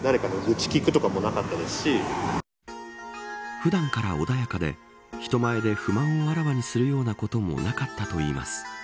普段から穏やかで人前で不満をあらわにするようなこともなかったといいます。